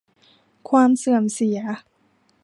ความเสื่อมเสีย